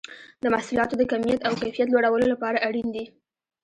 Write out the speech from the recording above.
د محصولاتو د کمیت او کیفیت لوړولو لپاره اړین دي.